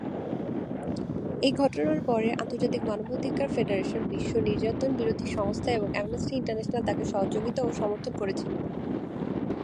এই ঘটনার পরে আন্তর্জাতিক মানবাধিকার ফেডারেশন, বিশ্ব নির্যাতন বিরোধী সংস্থা এবং অ্যামনেস্টি ইন্টারন্যাশনাল তাকে সহযোগিতা ও সমর্থন করেছিল।